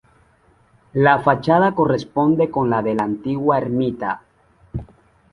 La fachada corresponde con la de la antigua ermita.